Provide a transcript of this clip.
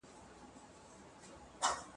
په نيستي کي هستي پټه